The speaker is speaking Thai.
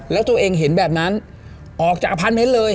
แล้วตัวเองเห็นแบบนั้นออกจากอพาร์ทเมนต์เลย